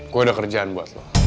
gue ada kerjaan buat lo